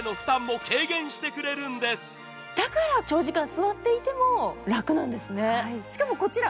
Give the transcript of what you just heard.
だから長時間座っていても楽なんですね。